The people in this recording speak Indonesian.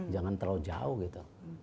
jangan terlalu jauh gitu